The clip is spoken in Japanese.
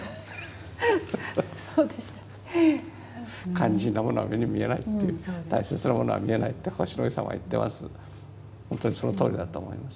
肝心なものは目に見えないっていう大切なものは見えないって星の王子様は言ってます。